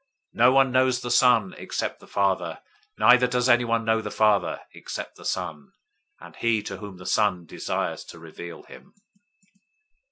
No one knows the Son, except the Father; neither does anyone know the Father, except the Son, and he to whom the Son desires to reveal him.